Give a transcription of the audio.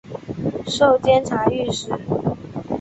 授监察御史。